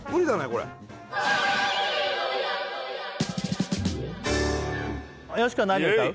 これよしこは何歌う？